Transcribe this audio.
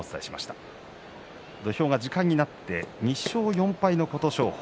土俵が時間になって２勝４敗の琴勝峰。